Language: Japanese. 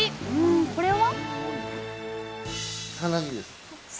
これは？